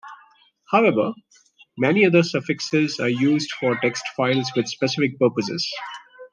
However, many other suffixes are used for text files with specific purposes.